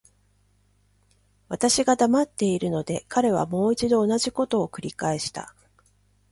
私が黙っているので、彼はもう一度同じことを繰返した。